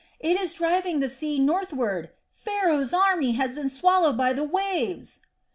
It is driving the sea northward. Pharaoh's army has been swallowed by the waves!"